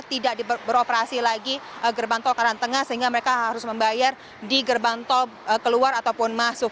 tidak beroperasi lagi gerbang tol karangtengah sehingga mereka harus membayar di gerbang tol keluar ataupun masuk